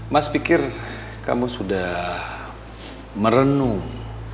mas pikir kamu sudah merenung